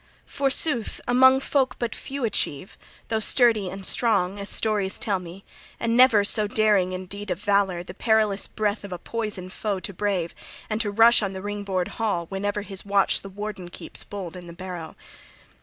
Forsooth among folk but few achieve, though sturdy and strong, as stories tell me, and never so daring in deed of valor, the perilous breath of a poison foe to brave, and to rush on the ring board hall, whenever his watch the warden keeps bold in the barrow.